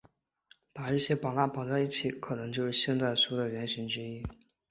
把一些蜡板绑在一起可能就是现代书的原型之一。